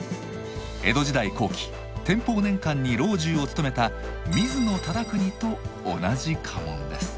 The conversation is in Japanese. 江戸時代後期天保年間に老中を務めた水野忠邦と同じ家紋です。